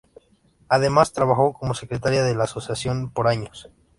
Además trabajó como secretaria de la asociación por años.